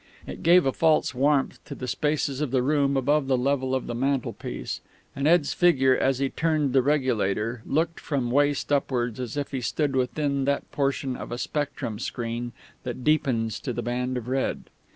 It gave a false warmth to the spaces of the room above the level of the mantelpiece, and Ed's figure, as he turned the regulator, looked from the waist upwards as if he stood within that portion of a spectrum screen that deepens to the band of red.